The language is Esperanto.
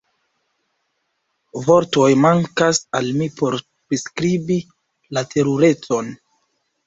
Vortoj mankas al mi por priskribi la terurecon.